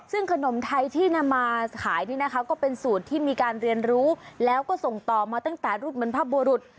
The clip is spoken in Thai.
ซึ่งขนมไทยที่นำมาขายนี่นะคะก็เป็นสูตรที่มีการเรียนรู้แล้วก็ส่งต่อมาตั้งแต่รุ่นบรรพบุรุษ